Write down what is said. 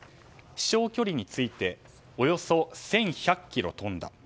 飛翔距離についておよそ１１００ｋｍ飛んだ。